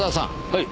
はい。